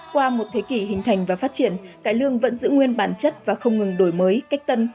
qua một thế kỷ hình thành và phát triển cải lương vẫn giữ nguyên bản chất và không ngừng đổi mới cách tân